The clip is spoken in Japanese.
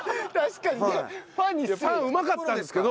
パンうまかったんですけど。